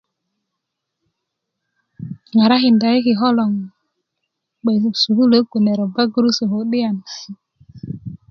ŋaralinda i kikö loŋ bge sukuluöt kune ropa gurusu ku'diyan